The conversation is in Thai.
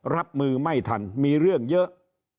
รับมือไม่ทันมีเรื่องเยอะ